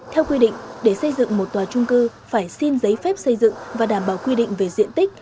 theo quy định để xây dựng một tòa trung cư phải xin giấy phép xây dựng và đảm bảo quy định về diện tích